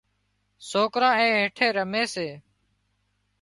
سوڪران اين هيٺي رمي سي